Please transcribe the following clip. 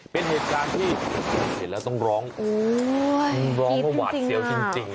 เป็นเหตุการณ์ที่เห็นแล้วต้องร้องร้องเพราะหวาดเสียวจริง